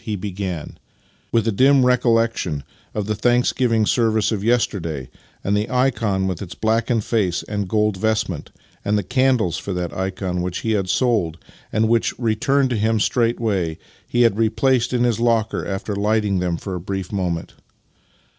" he began, with a dim recollection of the thanksgiving service of yesterday, of the ikon with its blackened face and golden vestment, and of the candles for that ikon which he had sold, and which, returned to him straightway, he had replaced in his locker after light ing them for a brief moment.